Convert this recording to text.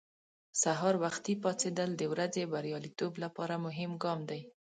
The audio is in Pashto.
سهار وختي پاڅېدل د ورځې بریالیتوب لپاره مهم ګام دی.